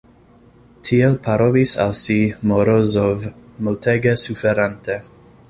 Tiel parolis al si Morozov, multege suferante.